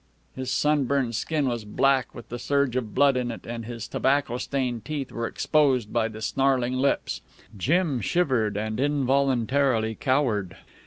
His sunburned skin was black with the surge of blood in it, and his tobacco stained teeth were exposed by the snarling lips. Jim shivered and involuntarily cowered.